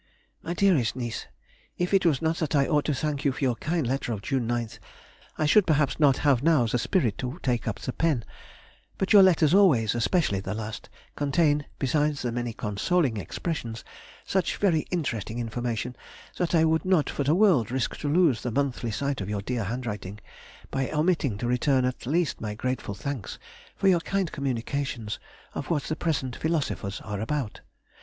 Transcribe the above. MY DEAREST NIECE,— If it was not that I ought to thank you for your kind letter of June 9th, I should perhaps not have now the spirit to take up the pen; but your letters always, especially the last, contain, besides the many consoling expressions, such very interesting information, that I would not for the world risk to lose the monthly sight of your dear handwriting, by omitting to return at least my grateful thanks for your kind communications of what the present philosophers are about.